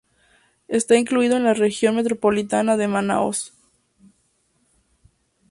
Está incluido en la región metropolitana de Manaos.